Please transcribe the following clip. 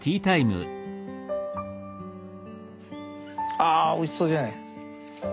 あおいしそうじゃない。